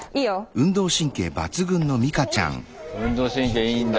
運動神経いいんだ。